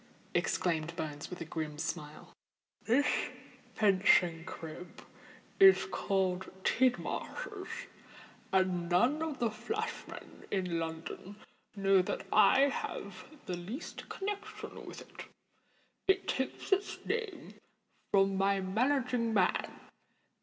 exclaimed Bones, with a grim smile. "This fencing crib is called Tidmarsh's—and none of the flash men in London know that I have the least connexion with it. It takes its name from my managing man.